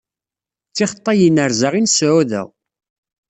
D tixeṭṭay inerza i nseɛɛu da.